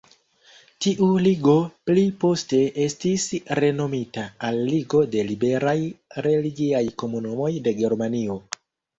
Tiu ligo pli poste estis renomita al "Ligo de Liberaj Religiaj Komunumoj de Germanio".